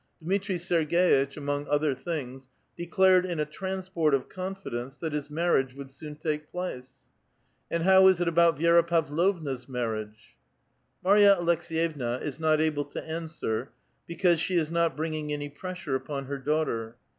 Dmitri Sergei tch, among other things, declared in a transport of confidence that his marriage would soon take place. *' And how is it about Vi^ra Pavlovna's marriage?" Marya Aleks^yevna is not able to answer because she is not bringing any pressure upon her daughter.